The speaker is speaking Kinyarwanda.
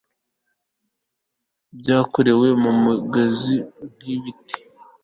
byakorewe mumigozi nkibiti